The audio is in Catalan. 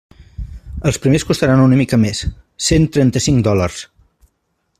Els primers costaran una mica més, cent trenta-cinc dòlars.